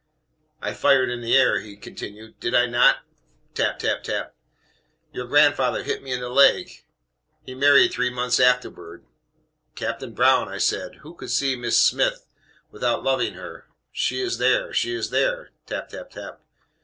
"I fired in the air," he continued; "did I not?" (Tap, tap, tap.) "Your grandfather hit me in the leg. He married three months afterwards. 'Captain Brown,' I said 'who could see Miss Sm th without loving her?' She is there! She is there!" (Tap, tap, tap.)